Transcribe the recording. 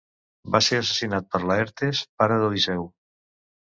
Va ser assassinat per Laertes, pare d'Odisseu.